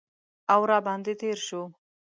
او را باندې تیر شو